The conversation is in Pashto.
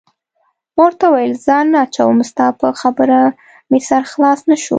ما ورته وویل: ځان نه اچوم، ستا په خبره مې سر خلاص نه شو.